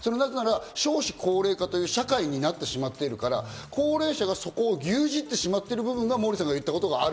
少子高齢化という社会になってしまってるから、高齢者がそこを牛耳ってしまってる部分が今モーリーさんが言ったようなことがある。